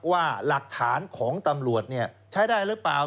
ว่าหลักฐานของตำรวจใช้ได้หรือเปล่า